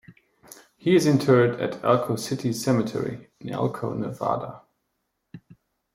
He is interred at Elko City Cemetery in Elko, Nevada.